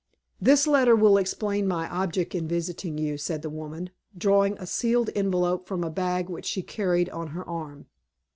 "This letter will explain my object in visiting you," said the woman, drawing a sealed envelope from a bag which she carried on her arm.